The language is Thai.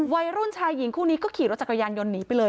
วัยรุ่นชายหญิงคู่นี้ก็ขี่รถจักรยานยนต์หนีไปเลย